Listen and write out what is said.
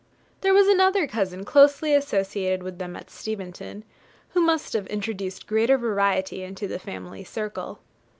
There was another cousin closely associated with them at Steventon, who must have introduced greater variety into the family circle.